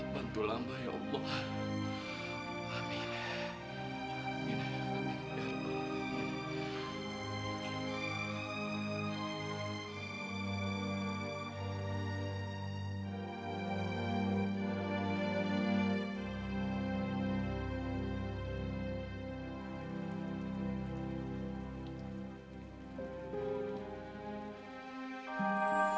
bantu lamba ya allah